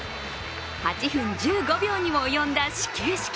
８分１５秒にも及んだ始球式。